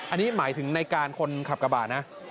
อันนี้หมายถึงในการคนขับกระบาดนะ